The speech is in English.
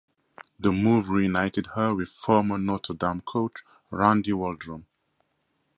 The move reunited her with former Notre Dame coach Randy Waldrum.